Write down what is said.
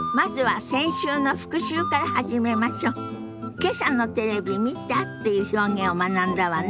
「けさのテレビ見た？」っていう表現を学んだわね。